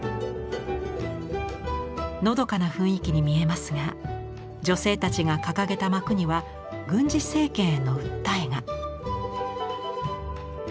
のどかな雰囲気に見えますが女性たちが掲げた幕には軍事政権への訴えが。